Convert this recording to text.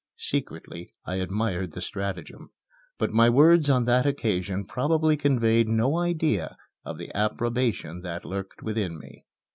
Secretly I admired the stratagem, but my words on that occasion probably conveyed no idea of the approbation that lurked within me.